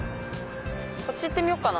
こっち行ってみよっかな。